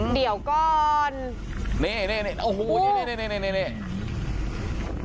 เดี๋ยวก่อนนี่นี่นี่โอ้โหนี่นี่นี่นี่นี่นี่นี่นี่